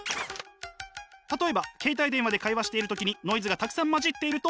例えば携帯電話で会話している時にノイズがたくさん混じっていると。